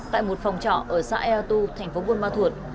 tại một phòng trọ ở xã e tu tp bôn ma thuật